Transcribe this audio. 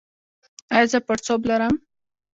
ایا زه پړسوب لرم؟